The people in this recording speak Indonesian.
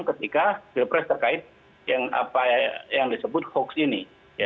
ketika pilpres terkait yang disebut hoax ini